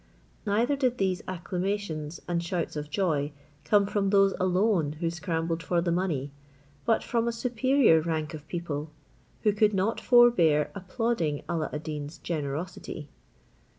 Neither did these acclamations and shouts of joy come from those alone who scrambled for the money, but from a superior rank of people, who could not forbear applauding Alla ad Deen's generosity.